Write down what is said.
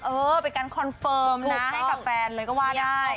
เออเป็นการคอนเฟิร์มนะให้กับแฟนเลยก็ว่าได้